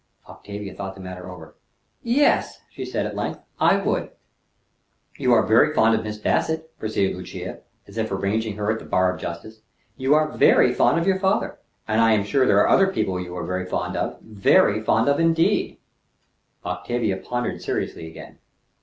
Octavia thought the matter over. "Yes," she said at length, "I would." "You are very fond of Miss Bassett," proceeded Lucia, as if arraigning her at the bar of justice. "You are very fond of your father; and I am sure there are other people you are very fond of very fond of indeed." Octavia pondered seriously again.